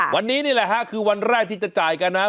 วันนี้นี่แหละฮะคือวันแรกที่จะจ่ายกันนะ